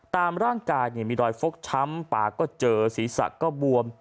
ตามร่างกายมีรอยฟกช้ำปากก็เจอศีรษะก็บวม